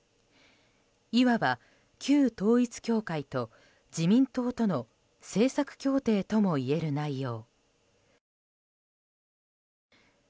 いわば旧統一教会と自民党との政策協定ともいえる内容。